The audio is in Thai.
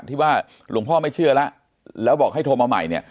ที่ว่าหลวงพ่อไม่เชื่อแล้วแล้วบอกให้โทรมาใหม่เนี่ย